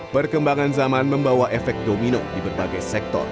perkembangan zaman membawa efek domino di berbagai sektor